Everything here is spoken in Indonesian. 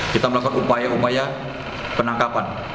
kita melakukan upaya upaya penangkapan